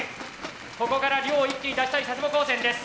ここから量を一気に出したい佐世保高専です。